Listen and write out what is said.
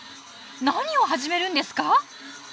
何を始めるんですか？